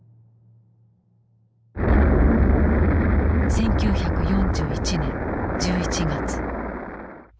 １９４１年１１月。